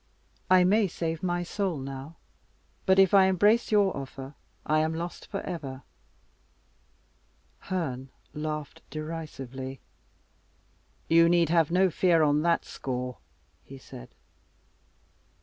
I may save my soul now; but if I embrace your offer I am lost for ever." Herne laughed derisively. "You need have no fear on that score," he said.